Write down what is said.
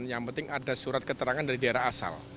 yang penting ada surat keterangan dari daerah asal